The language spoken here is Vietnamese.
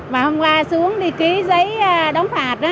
mà hôm qua xuống đi ký giấy đóng phạt á